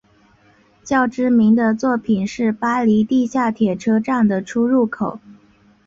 较知名的作品是巴黎地下铁车站的出入口。